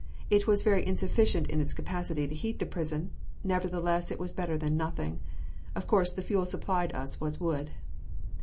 It was very insufficient in its capacity to heat the prison, nevertheless it was better than nothing. Of course the fuel supplied us was wood.